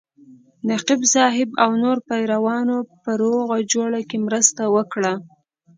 نقیب صاحب او نورو پیرانو په روغه جوړه کې مرسته وکړه.